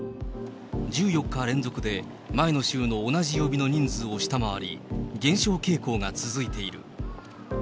１４日連続で前の週の同じ曜日の人数を下回り、減少傾向が続いている。